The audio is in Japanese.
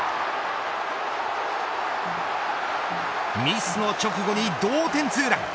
ミスの直後に同点２ラン。